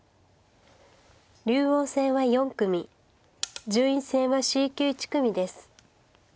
竜王戦は４組順位戦はＣ級１組です。